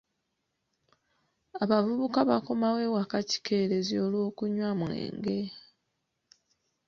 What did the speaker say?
Abavubuka bakomawo ewaka kikeerezi olw'okunywa mwenge.